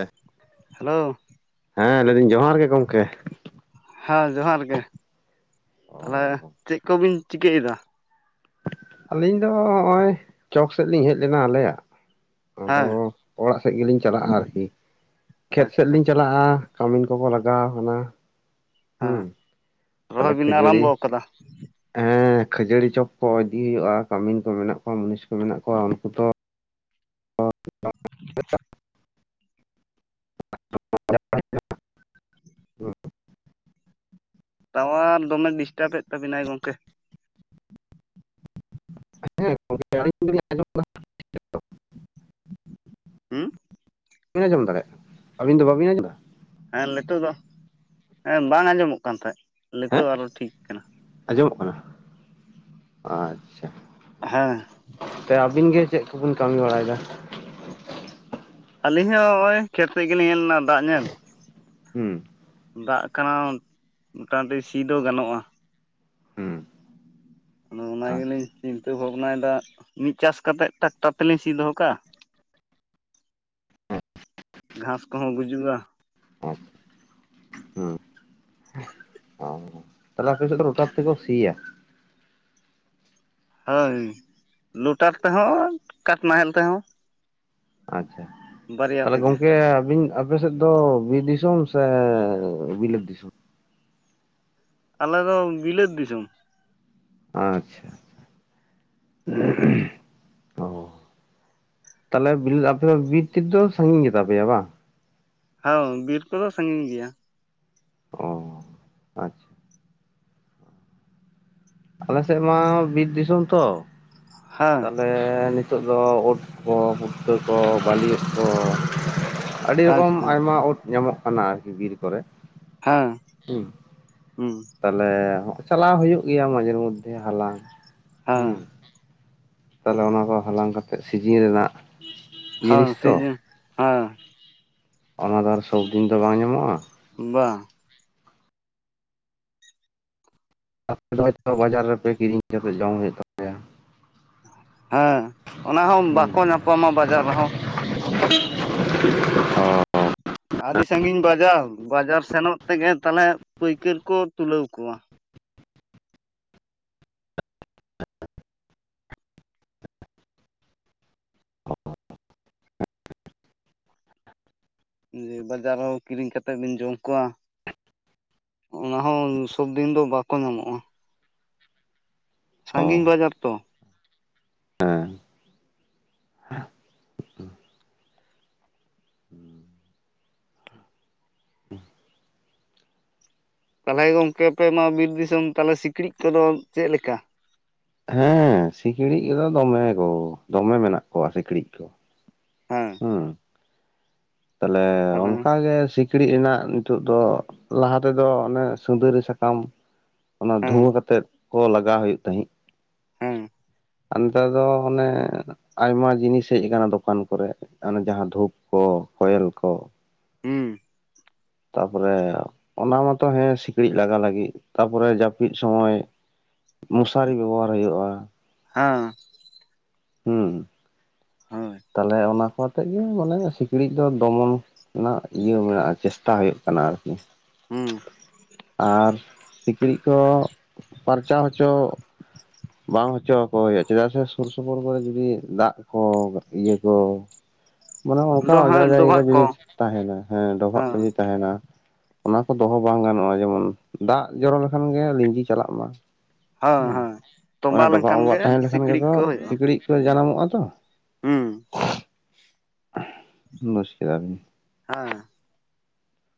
ᱮ hello ᱦᱮᱸ ᱞᱟᱹᱭ ᱫᱟᱹᱧ ᱡᱚᱦᱟᱨ ᱜᱮ ᱜᱚᱝᱠᱮ᱾ ᱦᱮᱸ ᱡᱚᱦᱟᱨ ᱜᱮ ᱛᱟᱦᱚᱞᱮ ᱪᱮᱜ ᱠᱚᱵᱤᱱ ᱪᱤᱠᱟᱹᱭ ᱫᱟ? ᱟᱹᱞᱤᱧ ᱫᱚ ᱦᱚᱸᱜ-ᱚᱭ ᱪᱚᱠ ᱥᱮᱜ ᱞᱤᱧ ᱦᱮᱡ ᱞᱮᱱᱟ ᱟᱞᱮᱭᱟᱜ᱾ ᱟᱫᱚ ᱦᱮᱸ ᱚᱲᱟᱜ ᱥᱮ ᱜᱮᱞᱤᱧ ᱪᱟᱞᱟᱜ-ᱟ ᱟᱨᱠᱤ, ᱠᱷᱮᱛ ᱥᱮᱜ ᱞᱤᱧ ᱪᱟᱞᱟᱜ ᱪᱟᱞᱟᱜ-ᱟ ᱠᱟᱢᱤᱱ ᱠᱚᱠᱚ ᱞᱟᱜᱟᱣ ᱠᱟᱱᱟ᱾ ᱦᱩᱸ ᱦᱮᱸ ᱛᱟᱦᱞᱮ ᱨᱚᱦᱚᱭ ᱵᱤᱱ ᱠᱷᱟᱹᱡᱟᱹᱲᱤ ᱟᱨᱟᱢᱵᱚ ᱟᱠᱟᱫᱟ ᱦᱮᱸ ᱠᱷᱟᱹᱡᱟᱹᱲᱤ ᱪᱚᱯ ᱠᱚ ᱤᱫᱤ ᱦᱩᱭᱩᱜ-ᱟ ᱠᱟᱢᱤᱱ ᱠᱚ ᱢᱮᱱᱟᱜ ᱠᱚᱣᱟ ᱢᱩᱱᱤᱥ ᱠᱚ ᱢᱮᱱᱟᱜ ᱠᱚᱣᱟ ᱩᱱᱠᱩ ᱛᱚ ᱚ [unintelligible] [unintelligible] ᱴᱟᱣᱟᱨ ᱫᱚᱢᱮ ᱰᱤᱥᱴᱟᱵᱮᱫ ᱛᱟᱵᱤᱱᱟᱭ ᱜᱚᱝᱠᱮ᱾ [inaudible] ᱦᱩᱸ? ᱵᱟᱵᱤᱱ ᱟᱸᱡᱚᱢ ᱫᱟᱲᱮᱭᱟᱜ, ᱟᱹᱵᱤᱱ ᱫᱚ ᱵᱟᱵᱤᱱ ᱟᱸᱡᱚᱢᱟ? ᱦᱮᱸ ᱱᱮᱛᱚᱜ ᱫᱚ, ᱦᱮᱸ ᱵᱟᱝ ᱟᱸᱡᱚᱢᱚᱜ ᱠᱟᱱ ᱛᱟᱦᱮᱸᱫ ᱦᱮᱸ ᱱᱮᱛᱚᱜ ᱟᱨᱚ ᱴᱷᱤᱠ ᱠᱟᱱᱟ᱾ ᱟᱸᱡᱚᱢᱚᱜ ᱠᱟᱱᱟ ᱟᱪᱪᱷᱟ᱾ ᱦᱮᱸ᱾ ᱛᱮ ᱟᱵᱤᱱ ᱜᱮ ᱪᱮᱫ ᱠᱚᱵᱤᱱ ᱠᱟᱹᱢᱤ ᱵᱟᱲᱟᱭᱮᱫᱟ? ᱟᱞᱤᱧ ᱦᱚᱸ ᱦᱚᱸᱜᱼᱚᱭ ᱠᱷᱮᱛ ᱥᱮᱫ ᱜᱮᱞᱤᱧ ᱦᱮᱡ ᱞᱮᱱᱟ ᱫᱟᱜ ᱧᱮᱞ᱾ ᱦᱩᱸ᱾ ᱫᱟᱜ ᱠᱟᱱᱟ, ᱢᱚᱴᱟ ᱢᱩᱴᱤ ᱥᱤ ᱫᱚ ᱜᱟᱱᱚᱜᱼᱟ᱾ ᱦᱩᱸ ᱚᱱᱚ ᱚᱱᱟ ᱟᱪᱪᱷᱟ ᱜᱮᱞᱤᱧ ᱪᱤᱱᱛᱟᱹ ᱵᱷᱟᱵᱽᱱᱟᱭᱮᱫᱟ ᱴ, ᱢᱤᱫ ᱪᱟᱥ ᱠᱟᱛᱮᱫ ᱴᱨᱟᱠᱴᱟᱨ ᱛᱮᱞᱤᱧ ᱥᱤ ᱫᱚᱦᱚ ᱠᱟᱜ-ᱟ᱾ [unintelligible] ᱦᱮᱸ ᱜᱷᱟᱸᱥ ᱠᱚᱦᱚᱸ ᱜᱩᱡᱩᱜ ᱨᱟ᱾ [inaudible] ‌ᱦᱩᱸ᱾ ᱚ ᱛᱟᱦᱚᱞᱮ ᱟᱯᱮ ᱥᱮᱫ ᱫᱚ ᱞᱚᱴᱟᱨ ᱛᱮᱠᱚ ᱥᱤᱭᱟ? ᱦᱳᱭ, ᱞᱚᱴᱟᱨ ᱛᱮᱦᱚᱸ ᱠᱟᱴ ᱱᱟᱦᱮᱞ ᱛᱮᱦᱚᱸ᱾ ᱟᱪᱪᱷᱟ, ᱵᱟᱨᱭᱟ ᱛᱟᱦᱚᱞᱮ ᱛᱮᱜᱮ ᱜᱚᱝᱠᱮ ᱟᱵᱤᱱ ᱟᱯᱮ ᱥᱮᱫ ᱫᱚ ᱵᱤᱨ ᱫᱤᱥᱚᱢ ᱥᱮ ᱵᱤᱞᱟᱹᱛ ᱫᱤᱥᱚᱢ? ᱟᱞᱮ ᱫᱚ ᱵᱤᱞᱟᱹᱛ ᱫᱤᱥᱚᱢ᱾ ᱟᱪᱪᱷᱟ᱾ ᱚ, ᱛᱟᱦᱚᱞᱮ ᱟᱯᱮ ᱫᱚ ᱵᱤᱨ ᱴᱤᱨ ᱫᱚ ᱥᱟᱺᱜᱤᱧ ᱜᱮ ᱛᱟᱯᱮᱭᱟ ᱵᱟᱝ? ᱦᱟᱹᱣ ᱵᱤᱨ ᱠᱚᱫᱚ ᱥᱟᱺᱜᱤᱧ ᱜᱮᱭᱟ᱾ ᱚ, ‌ᱟᱪᱪᱷᱟ᱾ ᱟᱞᱮ ᱥᱮᱫ ᱢᱟ ᱵᱤᱨ ᱫᱤᱥᱚᱢ ᱛᱚ, ᱦᱮᱸ ᱛᱟᱦᱚᱞᱮ ᱱᱤ ᱛᱚᱜ ᱫᱚ ᱩᱫ ᱠᱚ, ᱯᱩᱴᱠᱟᱹ ᱠᱚ, ᱵᱟᱹᱞᱤ ᱩᱫ ᱠᱚ ᱟᱰᱤ ᱨᱚᱠᱚᱢ ᱟᱪᱪᱷᱟ ᱟᱭᱢᱟ ᱳᱫ ᱧᱟᱢᱚᱜ ᱠᱟᱱᱟ ᱟᱨᱠᱤ ᱵᱤᱨ ᱠᱚᱨᱮ᱾ ᱦᱮᱸ᱾ ᱦᱩᱸ, ᱦᱩᱸ ᱛᱟ ᱛᱟᱦᱚᱞᱮ ᱦᱞᱮ ᱪᱟᱞᱟᱣ ᱦᱩᱭᱩᱜ ᱜᱮᱭᱟ ᱢᱟᱡᱷᱮᱨ ᱢᱚᱫᱽᱫᱷᱮ ᱦᱟᱞᱟᱝ᱾ ᱦᱩᱸ, ᱦᱮᱸ ᱛᱟᱦᱚᱞᱮ ᱦᱮᱸ ᱚᱱᱟᱠᱚ ᱦᱟᱞᱟᱝ ᱠᱟᱛᱮᱜ ᱥᱤᱡᱤᱱ ᱨᱮᱱᱟᱜ ᱦᱚᱸ ᱡᱤᱱᱤᱥ ᱛᱚ ᱥᱤᱡᱤᱱ ᱦᱚᱸ᱾ ᱚᱱᱟ ᱫᱚ ᱟᱨ ᱥᱚᱵ ᱫᱤᱱ ᱫᱚ ᱵᱟᱝ ᱧᱟᱢᱚᱜᱼᱟ, ᱵᱟᱝ᱾ ᱟᱯᱮ ᱫᱚ ᱦᱚᱭᱛᱚ ᱵᱟᱡᱟᱨ ᱨᱮᱯᱮ ᱠᱤᱨᱤᱧ ᱠᱟᱛᱮ ᱡᱚᱢ ᱦᱩᱭᱩᱜ ᱛᱟ ᱦᱮᱸ, ᱚᱱᱟ ᱦᱚᱸ ᱦᱩᱸ᱾ ᱵᱟᱠᱚ ᱧᱟᱯᱟᱢᱟ ᱵᱟᱡᱟᱨ ᱨᱮᱦᱚᱸ᱾ [inaudible] ᱟᱰᱤ ᱥᱟᱺᱜᱤᱧ ᱵᱟᱡᱟᱨ, ᱵᱟᱡᱟᱨ ᱥᱮᱱᱚᱜ ᱛᱮᱜᱮ ᱛᱟᱦᱚᱞᱮ ᱯᱟᱹᱭᱠᱟᱹᱨ ᱠᱚ ᱛᱩᱞᱟᱹᱣ ᱠᱚᱣᱟ᱾ [inaudible] ᱡᱮ ᱵᱟᱡᱟᱨ ᱨᱮᱦᱚᱸ ᱠᱤᱨᱤᱧ ᱠᱟᱛᱮᱜ ᱵᱤᱱ ᱡᱚᱢ ᱠᱚᱣᱟ, ᱚᱱᱟ ᱦᱚᱸ ᱥᱚᱵ ᱫᱤᱱ ᱫᱚ ᱵᱟᱠᱚ ᱧᱟᱢᱚᱜᱼᱟ᱾ ᱥᱟᱺᱜᱤᱧ ᱵᱟᱡᱟᱨ ᱛᱚ᱾ ᱦᱮᱸ᱾ ᱛᱟᱦᱚᱞᱮ ᱜᱚᱝᱠᱮ ᱟᱯᱮ ᱢᱟ ᱵᱤᱨ ᱫᱤᱥᱚᱢ, ᱛᱟᱦᱚᱞᱮ ᱥᱤᱠᱬᱤᱡ ᱠᱚᱫᱚ ᱪᱮᱫ ᱞᱮᱠᱟ? ᱦᱮᱸ ᱥᱤᱠᱲᱤᱡ ᱠᱚᱫᱚ ᱫᱚᱢᱮ ᱜᱳ, ᱫᱚᱢᱮ ᱢᱮᱱᱟᱜ ᱠᱚᱣᱟ ᱥᱤᱠᱲᱤᱡ ᱠᱚ᱾ ᱦᱮᱸ᱾ ᱦᱩᱸ᱾ ᱛᱟᱦᱞᱮ ᱛᱟᱦᱚᱞᱮ ᱚᱱᱠᱟ ᱜᱮ ᱥᱤᱠ ᱥᱤᱸᱠᱲᱤᱡ ᱨᱮᱱᱟᱜ ᱱᱤᱛᱚᱜ ᱫᱚ ᱞᱟᱦᱟ ᱛᱮᱫᱚ ᱚᱱᱮ ᱥᱤᱸᱫᱟᱹᱨᱤ ᱥᱟᱠᱟᱢ ᱚᱱᱟ ᱦᱮᱸ ᱫᱷᱩᱶᱟᱹ ᱠᱟᱛᱮᱫ ᱠᱚ ᱞᱟᱜᱟᱣ ᱦᱩᱭᱩᱜ ᱛᱟᱦᱮᱸᱫ᱾ ᱦᱮᱸ ᱟᱨ ᱱᱮᱛᱟᱨ ᱫᱚ ᱦᱟᱱᱮ ᱟᱭᱢᱟ ᱡᱤᱱᱤᱥ ᱦᱮᱡ ᱟᱠᱟᱱᱟ ᱫᱚᱠᱟᱱ ᱠᱚᱨᱮ, ᱚᱱᱮ ᱡᱟᱦᱟᱸ ᱫᱷᱩᱯ ᱠᱚ ᱠᱚᱭᱮᱞ ᱠᱚ᱾ ᱦᱩᱸ᱾ ᱛᱟᱯᱚᱨᱮ ᱚᱱᱟ ᱢᱟᱛᱚ ᱦᱮᱸ ᱥᱤᱠᱬᱤᱡ ᱞᱟᱜᱟ ᱞᱟᱹᱜᱤᱫ᱾ ᱛᱟᱯᱚᱨᱮ ᱡᱟᱹᱯᱤᱫ ᱥᱚᱢᱚᱭ ᱢᱚᱥᱟᱨᱤ ᱵᱮᱵᱚᱦᱟᱨ ᱦᱩᱭᱩᱜ-ᱟ᱾ ᱦᱮᱸ᱾ ᱦᱩᱸ᱾ ᱦᱳᱭ᱾ ᱛᱟᱦᱞᱮ ᱚᱱᱟ ᱥᱟᱶᱛᱮᱜᱮᱧ ᱢᱚᱱᱮᱭᱮᱜ-ᱟ ᱥᱤᱠᱬᱤᱡ ᱫᱚ ᱫᱚᱢᱚᱱ ᱨᱮᱱᱟᱜ ᱤᱭᱟᱹ ᱢᱮᱱᱟᱜ-ᱟ ᱪᱮᱥᱴᱟ ᱦᱩᱭᱩᱜ ᱠᱟᱱᱟ ᱟᱨᱠᱤ᱾ ᱦᱩᱸ᱾ ᱟᱨ ᱥᱤᱠᱬᱤᱡ ᱠᱚ ᱯᱟᱨᱪᱟᱣ ᱦᱚᱪᱚᱜ᱾ ᱵᱟᱝ ᱦᱚᱪᱚ ᱟᱠᱚ ᱦᱩᱭᱩᱜ-ᱟ, ᱪᱮᱫᱟᱜ ᱥᱮ ᱥᱩᱨ-ᱥᱩᱯᱩᱨ ᱠᱚᱨᱮ ᱡᱩᱫᱤ ᱫᱟᱜ ᱠᱚ ᱤᱭᱟᱹ ᱠᱚ ᱢᱟᱱᱮ ᱚᱱᱠᱟ ᱚᱸᱡᱽᱨᱟ ᱰᱚᱦᱟᱜ ᱡᱟᱭᱜᱟ ᱨᱮ ᱰᱚᱵᱷᱟᱜ ᱡᱩᱫᱤ ᱠᱚ ᱛᱟᱸᱦᱮᱱᱟ ᱦᱮᱸ ᱰᱚᱵᱷᱟᱜ ᱠᱚ ᱡᱩᱫᱤ ᱛᱟᱸᱦᱮᱱᱟ᱾ ᱚᱱᱟ ᱠᱚ ᱫᱚᱦᱚ ᱵᱟᱝ ᱜᱟᱱᱚᱜ-ᱟ ᱡᱮᱢᱚᱱ ᱫᱟᱜ ᱡᱚᱨᱚ ᱞᱮᱠᱷᱟᱱ ᱜᱮ ᱞᱤᱸᱡᱤ ᱪᱟᱞᱟᱜ ᱢᱟ᱾ ᱦᱮᱸ ᱦᱩᱸ, ᱦᱮᱸ ᱚᱱᱮ ᱛᱚᱸᱵᱟ ᱰᱚᱵᱷᱟᱜ ᱞᱮᱱᱠᱷᱟᱱ ᱜᱮ ᱢᱚᱵᱟᱜ ᱛᱟᱦᱮᱸ ᱞᱮᱠᱷᱟᱱ ᱥᱤᱠᱲᱤᱡ ᱜᱮᱛᱚ ᱠᱚ ᱦᱩᱭᱩᱜᱼᱟ ᱥᱤᱠᱬᱤᱡ ᱠᱚ ᱡᱟᱱᱟᱢᱚᱜ-ᱟ ᱛᱚ᱾ ᱦᱩᱸ᱾ ᱵᱩᱡ ᱠᱮᱜ-ᱟ. ᱵᱤᱱ᱾ ᱦᱮᱸ᱾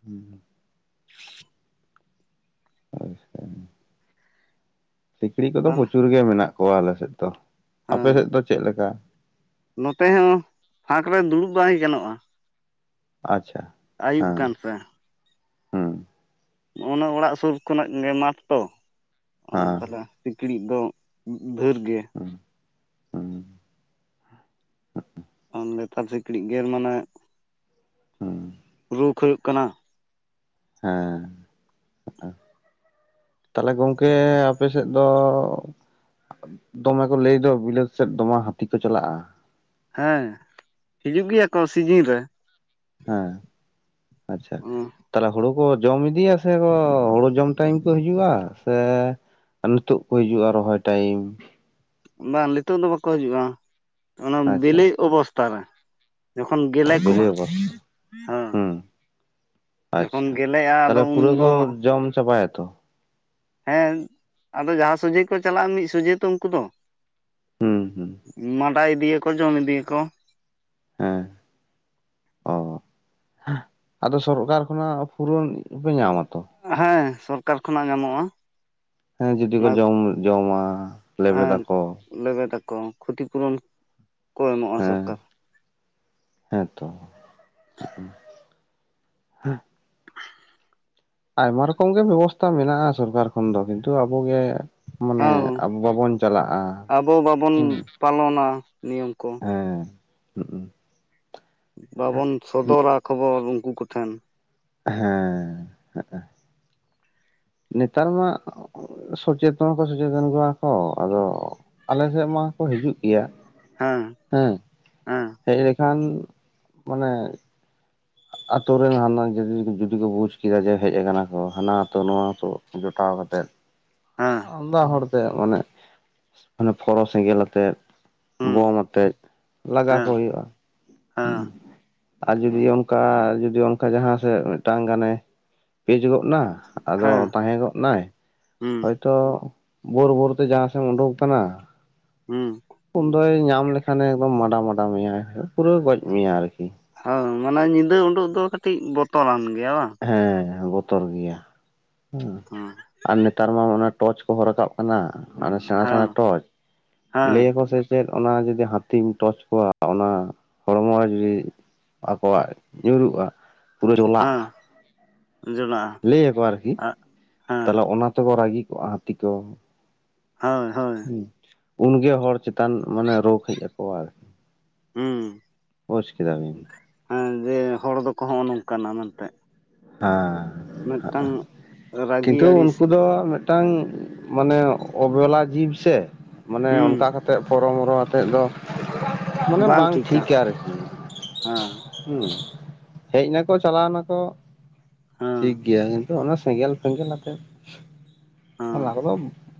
ᱦᱩᱸ ᱦᱩᱸ᱾ ᱟᱪᱪᱷᱟ᱾ ᱥᱤᱠᱬᱤᱡ ᱠᱚᱫᱚ ᱛᱟᱦᱚᱞᱮ ᱯᱨᱚᱪᱩᱨ ᱜᱮ ᱢᱮᱱᱟᱜ ᱠᱚᱣᱟ ᱟᱞᱮ ᱥᱮᱫ ᱫᱚ᱾ ᱟᱯᱮ ᱦᱮᱸ ᱥᱮᱫ ᱫᱚ ᱪᱮᱫ ᱞᱮᱠᱟ? ᱱᱚᱛᱮ ᱦᱚᱸ ᱯᱷᱟᱸᱠ ᱨᱮ ᱫᱩᱲᱩᱵ ᱵᱟᱭ ᱜᱟᱱᱚᱜ-ᱟ᱾ ᱟᱪᱪᱷᱟ᱾ ᱟᱹᱭᱩᱵ ᱦᱮᱸ ᱠᱟᱱ ᱥᱮ᱾ ᱦᱩᱸ ᱚᱱᱮ ᱚᱲᱟᱜ ᱥᱩᱨ ᱠᱷᱚᱱᱟᱜ ᱜᱮ ᱢᱟᱴ ᱛᱚ, ᱟᱫᱚ ᱦᱮᱸ ᱛᱟᱞᱦᱮ ᱥᱤᱠᱬᱤᱡ ᱫᱚ ᱫᱷᱟ. ᱨ ᱜᱮ ᱦᱩᱸ ᱦᱩᱸ᱾ ᱱᱮᱛᱟᱨ ᱥᱤᱠᱬᱤᱡ ᱜᱮᱨ ᱢᱟᱱᱮ ᱦᱩᱸ ᱨᱳᱠ ᱦᱩᱭᱩᱜ ᱠᱟᱱᱟ᱾ ᱦᱮᱸ᱾ ᱛᱟᱦᱞᱮ ᱜᱚᱝᱠᱮ ᱟᱯᱮ ᱥᱮᱫ ᱫᱚ ᱫᱚᱢᱮ ᱠᱚ ᱞᱟᱹᱭ ᱫᱚ ᱵᱤᱞᱟᱹᱛ ᱥᱮᱫ ᱫᱚᱢᱮ ᱦᱟᱹᱛᱤ ᱠᱚ ᱪᱟᱞᱟᱜ-ᱟ᱾ ᱦᱮᱸ, ᱦᱤᱡᱩᱜ ᱜᱮᱭᱟ ᱠᱚ ᱥᱤᱡᱤᱱ ᱨᱮ᱾ ᱦᱮᱸ, ᱟᱪᱪᱷᱟ᱾ ᱛᱟᱦᱞᱮ ᱦᱳᱲᱳ ᱠᱚ ᱡᱚᱢ ᱤᱫᱤᱭᱟ ᱥᱮ ᱠᱚ ᱦᱳᱲᱳ ᱡᱚᱢ ᱴᱟᱭᱤᱢ ᱠᱚ ᱦᱤᱡᱩᱜ-ᱟ ᱥᱮ ᱟᱨ ᱱᱤᱛᱳᱜ ᱠᱚ ᱦᱤᱡᱩᱜ-ᱟ ᱨᱚᱦᱚᱭ ᱴᱟᱭᱤᱢ? ᱵᱟᱝ ᱱᱤᱛᱳᱜ ᱫᱚ ᱵᱟᱠᱚ ᱦᱤᱡᱩᱜ-ᱟ ᱚᱱᱟ ᱟᱪᱪᱷᱟ ᱵᱤᱞᱤᱜ ᱚᱵᱚᱥᱛᱟ ᱨᱮ᱾ ᱡᱚᱠᱷᱚᱱ ᱜᱮᱞᱮ ᱵᱤᱞᱤ ᱠᱚᱜ-ᱟ ᱚᱵᱚᱥ ᱦᱮᱸ᱾ ᱦᱩᱸ ᱡᱚᱠᱷᱚᱱ ᱟᱪᱪᱷᱟ ᱜᱮᱞᱮᱜ-ᱟ ᱟᱫᱚ ᱛᱟᱦᱚᱞᱮ ᱯᱩᱨᱟᱹ ᱠᱚ ᱩᱱᱫᱚ ᱡᱚᱢ ᱪᱟᱵᱟᱭᱟᱛᱚ ᱦᱮᱸ ᱟᱫᱚ ᱡᱟᱦᱟᱸ ᱥᱚᱡᱷᱮ ᱠᱚ ᱪᱟᱞᱟᱜ-ᱟ, ᱢᱤᱫ ᱥᱚᱡᱷᱮ ᱛᱚ ᱩᱱᱠᱩ ᱫᱚ᱾ ᱦᱩᱸ ᱦᱩᱸ ᱢᱟᱰᱟ ᱤᱫᱤᱭᱟᱠᱚ, ᱡᱚᱢ ᱤᱫᱤᱭᱟᱠᱚ᱾ ᱦᱮᱸ ᱚ ᱾ ᱟᱫᱚ ᱥᱚᱨᱠᱟᱨ ᱠᱷᱚᱱᱟᱜ ᱯᱩᱨᱚᱱ ᱯᱮ ᱧᱟᱢᱟ ᱛᱚ᱾ ᱦᱮᱸ ᱥᱚᱨᱠᱟᱨ ᱠᱷᱚᱱᱟᱜ ᱧᱟᱢᱚᱜᱼᱟ ᱾ ᱦᱮᱸ ᱡᱩᱫᱤ ᱠᱚ ᱡᱚᱢ-ᱡᱚᱢᱟ ᱞᱮᱵᱮᱫ ᱟᱠᱚ, ᱞᱮᱵᱮᱫ ᱫᱟᱠᱚ ᱠᱷᱚᱛᱤ ᱯᱩᱨᱚᱱ ᱠᱚ ᱮᱢᱚᱜᱼᱟ ᱦᱮᱸ ᱥᱚᱨᱠᱟᱨ ᱦᱮᱸ ᱛᱚ ᱾ ᱟᱭᱢᱟ ᱨᱚᱠᱚᱢ ᱜᱮ ᱵᱮᱵᱚᱥᱛᱷᱟ ᱢᱮᱱᱟᱜ-ᱟ ᱥᱚᱨᱠᱟᱨ ᱠᱷᱚᱱ ᱫᱚ ᱠᱤᱱᱛᱩ ᱟᱵᱚᱜᱮ ᱢᱟᱱᱮ ᱦᱮᱸ ᱟᱵᱚ ᱵᱟᱵᱚᱱ ᱪᱟᱞᱟᱜᱼᱟ ᱟᱵᱚ ᱵᱟᱵᱚᱱ ᱦᱮᱸ ᱯᱟᱞᱚᱱᱟ ᱱᱤᱭᱚᱢ ᱠᱚ ᱦᱮᱸ, ᱦᱩᱸ ᱵᱟᱵᱚᱱ ᱥᱚᱫᱚᱨᱟ ᱠᱷᱚᱵᱚᱨ ᱩᱱᱠᱩ ᱠᱚ ᱴᱷᱮᱱ, ᱦᱮᱸ, ᱱᱮᱛᱟᱨ ᱢᱟ ᱥᱚᱪᱮᱛᱚᱱ ᱦᱚᱸᱠᱚ ᱥᱚᱪᱮᱛᱚᱱ ᱠᱚᱣᱟ ᱠᱚ ᱟᱫᱚ ᱟᱞᱮ ᱥᱮᱫ ᱢᱟᱠᱚ ᱦᱤᱡᱩᱜ ᱜᱮᱭᱟ᱾ ᱦᱮᱸ, ᱦᱮᱸ, ᱦᱮᱸ ᱦᱮᱡ ᱞᱮᱠᱷᱟᱱ ᱢᱟᱱᱮ ᱟᱛᱳ ᱨᱮᱱ ᱦᱟᱱᱟ ᱡᱩᱫᱤ ᱡᱩᱫᱤ ᱠᱚ ᱵᱩᱡᱽ ᱠᱮᱫᱟ ᱡᱮ ᱦᱮᱡ ᱟᱠᱟᱱᱟ ᱠᱚ ᱦᱟᱱᱟ ᱟᱛᱳ ᱱᱚᱣᱟ ᱟᱛᱳ ᱡᱚᱴᱟᱣ ᱠᱟᱛᱮᱫ ᱦᱮᱸ ᱟᱢᱫᱟ ᱦᱚᱲ ᱛᱮ ᱢᱟᱱᱮ ᱢᱟᱱᱮ ᱯᱷᱚᱨᱚ ᱥᱮᱸᱜᱮᱞ ᱟᱛᱮᱫ ᱦᱩᱸ ᱵᱳᱢ ᱟᱛᱮᱫ ᱞᱟᱜᱟ ᱠᱚ ᱦᱮᱸ ᱦᱩᱭᱩᱜᱼᱟ, ᱦᱮᱸ ᱟᱨ ᱡᱩᱫᱤ ᱚᱱᱠᱟ ᱡᱩᱫᱤ ᱚᱱᱠᱟ ᱡᱟᱦᱟᱸ ᱥᱮᱫ ᱢᱤᱫᱴᱟᱝ ᱜᱟᱱᱮ ᱯᱮᱡ ᱜᱚᱫ ᱱᱟ ᱟᱫᱚ ᱦᱮᱸ ᱛᱟᱦᱮᱸ ᱜᱚᱫ ᱱᱟᱭ ᱦᱩᱸ ᱦᱚᱭ ᱛᱚ ᱵᱳᱨ ᱵᱳᱨ ᱛᱮ ᱡᱟᱦᱟᱸ ᱥᱮᱫ ᱮ ᱩᱰᱩᱠ ᱠᱟᱱᱟ᱾ ᱦᱩᱸ ᱾ ᱩᱱᱫᱚᱭ ᱧᱟᱢ ᱞᱮᱠᱷᱟᱱ ᱮ ᱮᱠᱫᱚᱢ ᱢᱟᱰᱟ ᱢᱟᱰᱟ ᱢᱮᱭᱟᱭ ᱯᱩᱨᱟᱹ ᱜᱚᱡ ᱢᱮᱭᱟᱭ ᱟᱨᱠᱤ᱾ ᱦᱮᱸ ᱢᱟᱱᱮ ᱧᱤᱫᱟᱹ ᱩᱰᱩᱜ ᱫᱚ ᱠᱟᱹᱴᱤᱡ ᱵᱚᱛᱚᱨᱟᱱ ᱜᱮᱭᱟ ᱵᱟᱝ᱾ ᱦᱮᱸ ᱵᱚᱛᱚᱨ ᱜᱮᱭᱟ, ᱦᱩᱸ [unintelligible] ᱟᱨ ᱱᱮᱛᱟᱨ ᱢᱟ ᱚᱱᱟ ᱴᱚᱨᱪ ᱠᱚᱦᱚᱸ ᱨᱟᱠᱟᱵ ᱠᱟᱱᱟ, ᱢᱟᱱᱮ ᱥᱮᱬᱟ ᱦᱮᱸ ᱥᱮᱬᱟ ᱴᱚᱪ ᱦᱮᱸ ᱞᱟᱹᱭ ᱟᱠᱚ ᱥᱮ ᱪᱮᱫ ᱚᱱᱟ ᱡᱩᱫᱤ ᱦᱟᱹᱛᱤᱢ ᱴᱚᱪ ᱠᱚᱣᱟ ᱚᱱᱟ ᱦᱚᱲᱢᱚ ᱡᱩᱫᱤ ᱟᱠᱚᱣᱟᱜ ᱧᱩᱨᱩᱜᱼᱟ, ᱯᱩᱨᱟᱹ ᱦᱮᱸ [unintelligible] ᱞᱟᱹᱭ ᱟᱠᱚ ᱟᱨᱠᱤ, [unintelligible] ᱛᱟᱦᱚᱞᱮ ᱚᱱᱟ ᱛᱮᱦᱚ ᱨᱟᱹᱜᱤ ᱠᱚᱜᱼᱟ ᱦᱟᱹᱛᱤ ᱠᱚ᱾ ᱦᱳᱭ ᱦᱳᱭ᱾ ᱩᱱ ᱜᱮ ᱦᱚᱲ ᱪᱮᱛᱟᱱ ᱢᱟᱱᱮ ᱨᱳᱜᱽ ᱦᱮᱡ ᱟᱠᱚᱣᱟ ᱟᱨᱠᱤ᱾ ᱦᱩᱸᱢ ᱵᱩᱡᱽ ᱠᱮᱫᱟ ᱵᱤᱱ᱾ ᱦᱮᱸ ᱡᱮ ᱦᱚᱲ ᱫᱚᱠᱚ ᱦᱚᱜᱼᱚ ᱱᱚᱜ ᱱᱚᱝᱠᱟᱱᱟ ᱢᱮᱱᱛᱮ᱾ ᱦᱮᱸ ᱢᱤᱫᱴᱟᱝ ᱨᱟᱹᱜᱤ ᱠᱤᱱᱛᱩ ᱟᱹᱲᱤᱥ ᱩᱱᱠᱩ ᱫᱚ ᱢᱤᱫᱴᱟᱝ ᱢᱟᱱᱮ ᱚᱵᱮᱞᱟ ᱡᱤᱵ ᱥᱮ ᱢᱟᱱᱮ ᱦᱩᱸ ᱚᱱᱠᱟ ᱠᱟᱛᱮ ᱟᱛᱮᱫ ᱯᱚᱨᱚᱢᱚᱨᱚ ᱟᱛᱮᱫ ᱫᱚ ᱢᱟᱱᱮ ᱵᱟᱝ ᱴᱷᱤᱠᱟ ᱟᱨᱠᱤ᱾ ᱦᱮᱸ ᱦᱩᱸ ᱦᱮᱡ ᱱᱟᱠᱚ ᱪᱟᱞᱟᱣ ᱱᱟᱠᱚ ᱦᱮᱸ ᱴᱷᱤᱠ ᱜᱮᱭᱟ ᱠᱤᱱᱛᱩ ᱚᱱᱟ ᱥᱮᱸᱜᱮᱞ ᱥᱮᱸᱜᱮᱞ ᱟᱛᱮᱫ ᱦᱮᱸ ᱚᱱᱟ ᱠᱚᱫᱚ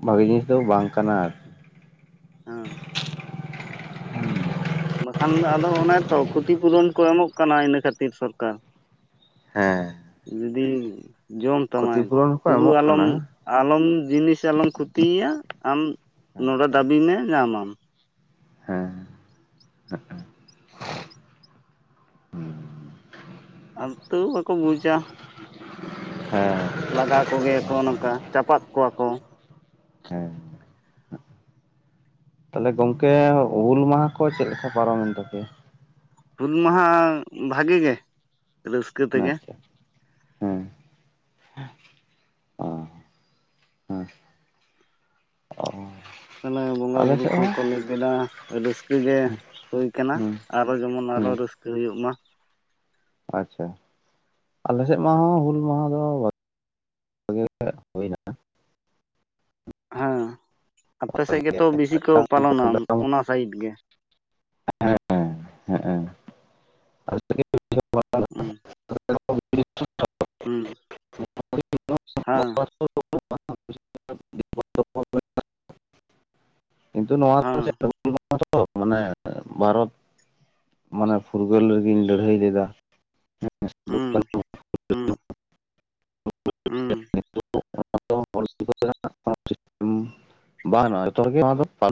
ᱵᱷᱟᱜᱤ ᱡᱤᱱᱤᱥ ᱫᱚ ᱵᱟᱝ ᱠᱟᱱᱟ ᱟᱨᱠᱤ᱾ ᱦᱮᱸ [unintelligible] ᱵᱟᱠᱷᱟᱱ ᱟᱫᱚ ᱚᱱᱮ ᱛᱚ ᱠᱷᱚᱛᱤ ᱯᱩᱨᱚᱱ ᱠᱚ ᱮᱢᱚᱜ ᱠᱟᱱᱟ ᱤᱱᱟᱹ ᱠᱷᱟᱹᱛᱤᱨ ᱥᱚᱨᱠᱟᱨ᱾ ᱦᱮᱸ ᱡᱩᱫᱤ ᱡᱚᱢ ᱛᱟᱢᱟᱭ ᱠᱷᱚᱛᱤ ᱯᱩᱨᱚᱱ ᱦᱚᱸᱠᱚ ᱛᱵᱩ ᱮᱢᱚᱜ ᱟᱞᱚᱢ᱾ ᱠᱟᱱᱟ ᱟᱞᱚᱢ ᱡᱤᱱᱤᱥ ᱟᱞᱚᱢ ᱠᱷᱚᱛᱤᱭᱟ ᱟᱢ ᱱᱚᱰᱮ ᱫᱟᱹᱵᱤ ᱢᱮ ᱧᱟᱢᱟᱢ᱾ ᱦᱮᱸ [unintelligible] ᱟᱛᱟᱹᱣ ᱵᱟᱠᱚ ᱵᱩᱡᱟ᱾ ᱦᱮᱸ ᱞᱟᱜᱟ ᱠᱚ ᱜᱮᱭᱟ ᱠᱚ ᱱᱚᱝᱠᱟ ᱪᱟᱯᱟᱫ ᱠᱚᱣᱟ ᱠᱚ᱾ ᱛᱟᱦᱚᱞᱮ ᱜᱚᱝᱠᱮ ᱦᱩᱞ ᱢᱟᱦᱟ ᱠᱚ ᱪᱮᱫ ᱞᱮᱠᱟ ᱯᱟᱨᱚᱢᱮᱱ ᱛᱟᱯᱮᱭᱟ᱾ ᱦᱩᱞ ᱢᱟᱦᱟ ᱵᱷᱟᱜᱤ ᱜᱮ᱾ ᱨᱟᱹᱥᱠᱟᱹ ᱛᱮᱜᱮ ᱟᱪᱪᱷᱟ ᱦᱮᱸ ᱚ ᱦᱮᱸ ᱚᱸ ᱛᱟᱞᱮ ᱵᱚᱸᱜᱟ ᱵᱩᱨᱩ ᱠᱚ ᱦᱚᱸ ᱠᱚ ᱞᱟᱹᱭ᱾ ᱠᱮᱫᱟ ᱨᱟᱹᱥᱠᱟᱹ ᱜᱮ ᱦᱩᱭ ᱠᱟᱱᱟ ᱦᱩᱸ ᱟᱨᱚ ᱡᱮᱢᱚᱱ ᱟᱨᱚ ᱦᱩᱸ ᱨᱟᱹᱥᱠᱟᱹᱭᱩᱜ ᱢᱟ᱾ ᱟᱪᱪᱷᱟ ᱟᱞᱮ ᱥᱮᱫ ᱢᱟ ᱦᱩᱞ ᱢᱟᱦᱟ ᱫᱚ᱾ [unintelligible] ᱦᱩᱭᱱᱟ ᱦᱟᱸ ᱟᱯᱮ ᱥᱮᱫ ᱜᱮᱛᱚ ᱵᱤᱥᱤ ᱠᱚ ᱯᱟᱞᱚᱱᱟ ᱚᱱᱟ ᱥᱟᱭᱤᱰ ᱜᱮ᱾ ᱦᱮᱸᱻᱮ [unintelligible] ᱩᱸᱻ ᱩᱸᱻ ᱦᱟᱸ [unintelligible] [unintelligible] ᱠᱤᱱᱛᱩ ᱱᱚᱣᱟ ᱫᱚ ᱦᱮᱸ ᱪᱮᱫ [inaudible] [unintelligible] ᱛᱚ ᱢᱟᱱᱮ ᱵᱷᱟᱨᱚᱛ ᱢᱟᱱᱮ ᱯᱷᱩᱨᱜᱟᱹᱞ ᱨᱮᱜᱮᱧ ᱞᱟᱹᱲᱦᱟᱹᱭ ᱞᱮᱫᱟ᱾ ᱦᱮᱸ ᱥᱩᱫᱩ ᱦᱩᱸ ᱵᱟᱹᱱᱩᱜ ᱩᱜᱸ [unintelligible] [unintelligible]